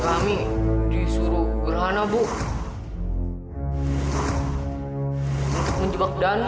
kami disuruh gurhana bu untuk menjebak danu